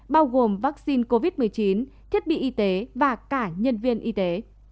bao gồm vaccine covid một mươi chín thiết bị y tế và cả nhân viên y tế